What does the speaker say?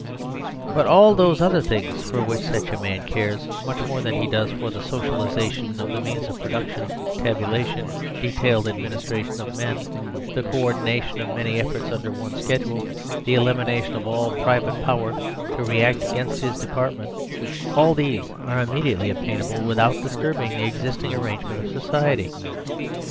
But all thoseother things for which such a man cares much more than he does for the socialisation of the means of production tabulation, detailed adminis tration of men, the co ordination of many efforts un der one schedule, the elimination of all private power to react against his Department, all these are im mediately obtainable without disturbing the existing 128 MAKING FOR SERVILE STATE arrangement of society.